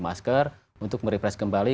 masker untuk merefresh kembali